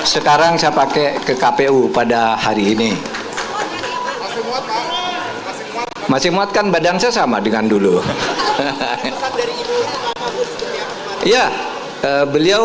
sekarang saya pakai ke kpu pada hari ini masih muatkan badan saya sama dengan dulu ya beliau